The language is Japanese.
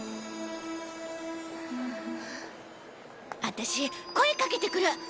私声かけてくる。